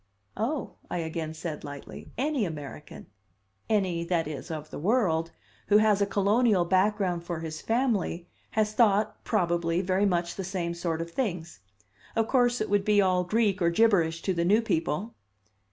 "Oh," I again said lightly, "any American any, that is, of the world who has a colonial background for his family, has thought, probably, very much the same sort of things. Of course it would be all Greek or gibberish to the new people."